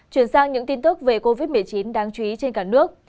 chuyển sang những tin tức về covid một mươi chín đáng chú ý trên cả nước